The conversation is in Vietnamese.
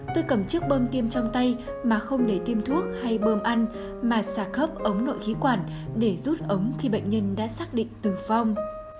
trong tay mà không để tiêm thuốc hay bơm ăn mà xà khớp ống nội khí quản để rút ống khi bệnh nhân đã xác định từ phong